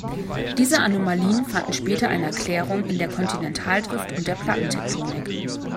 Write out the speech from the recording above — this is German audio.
Diese Anomalien fanden später eine Erklärung in der Kontinentaldrift und der Plattentektonik.